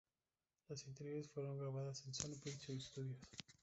Las interiores fueron grabadas en Sony Pictures Studios.